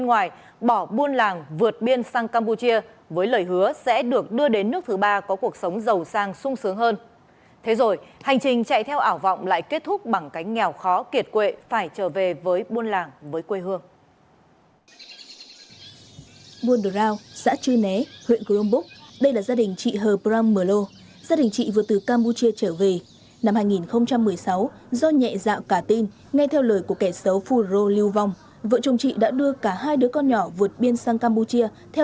ngoài gia đình chị herb ramalo thời gian qua trong world round xã chư né cũng còn một số gia đình khác do nhẹ dạ cả tin đã bị các đối tượng xấu lừa vượt biên sang campuchia